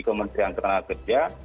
kementerian tenaga kerja